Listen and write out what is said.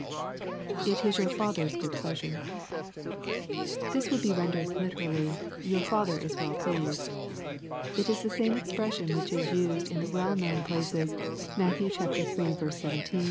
[Jt is your Father's good pleasure.] This would be rendered literally, " Your Father is well pleased." It is the same ex pression which is used in the well known places, Matt iiL 17 ; xvii 5.